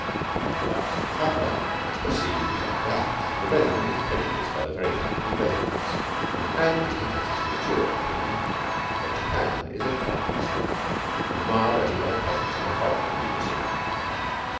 Thus the traveller perceives beyond doubt that the resident is prejudiced by the very fact of his residence, and gives it as his matured opinion that Japan is a faultless land, marred only by the presence of the foreign community.